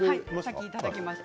先ほどいただきました。